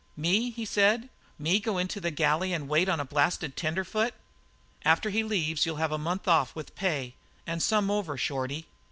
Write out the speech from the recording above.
"Me!" he said. "Me go into the galley to wait on a blasted tenderfoot?" "After he leaves you'll have a month off with full pay and some over, Shorty."